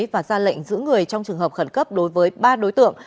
và ra lệnh giữ người trong trường hợp khẩn cấp đối với ba đối tượng